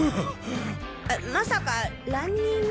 まさかランニング？